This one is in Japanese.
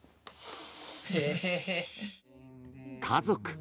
家族。